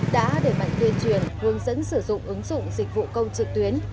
đã đẩy mạnh tuyên truyền hướng dẫn sử dụng ứng dụng dịch vụ công trực tuyến